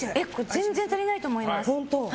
全然足りないと思います。